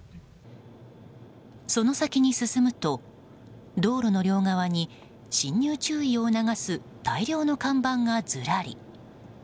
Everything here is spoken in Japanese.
その先に進むと道路の両側に進入注意を促す大量の看板がずらり。